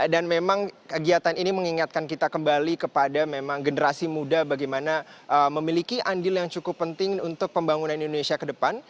dan memang kegiatan ini mengingatkan kita kembali kepada generasi muda bagaimana memiliki adil yang cukup penting untuk pembangunan indonesia ke depan